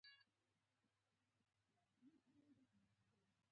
ما د هغې ویښتان ږمونځول او ما ورته کتل.